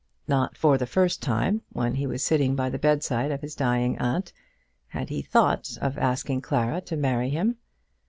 Not for the first time, when he was sitting by the bedside of his dying aunt, had he thought of asking Clara to marry him.